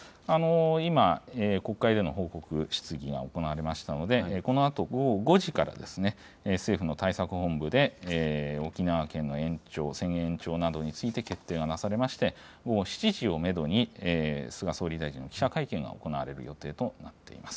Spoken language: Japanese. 今、国会での報告、質疑が行われましたので、このあと午後５時から、政府の対策本部で、沖縄県の延長、宣言延長などについて決定がなされまして、午後７時をメドに、菅総理大臣の記者会見が行われる予定となっています。